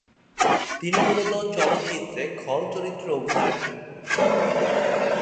তিনি মূলত চলচ্চিত্রে খল চরিত্রে অভিনয়ের জন্য পরিচিত।